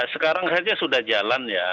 sekarang saja sudah jalan ya